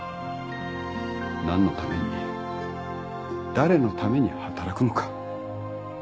何のために誰のために働くのか。